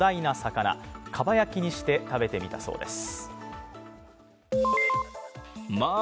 かば焼きにして食べてみたそうです。